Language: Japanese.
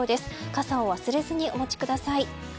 傘を忘れずにお持ちください。